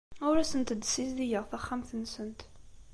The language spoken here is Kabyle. Ur asent-d-ssizdigeɣ taxxamt-nsent.